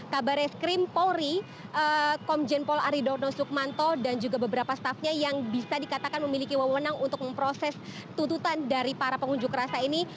kabar es krim polri komjen pol aridorno sukmanto dan juga beberapa staffnya yang bisa dikatakan memiliki wewenang untuk memproses tututan dari para pengunjuk rasa ini